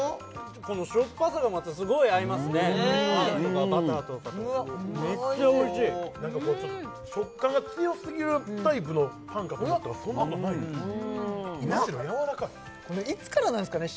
このしょっぱさがまたすごい合いますね餡とかバターとかとメッチャおいしいおいしいちょっと食感が強すぎるタイプのパンかと思ったらそんなことないのむしろやわらかいいつからなんですかね